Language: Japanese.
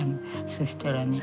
そしたらね